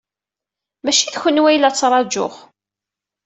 Maci d kenwi ay la ttṛajuɣ.